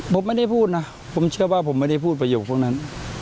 ผมไม่ได้พูดนะผมเชื่อว่าผมไม่ได้พูดประโยคพวกนั้น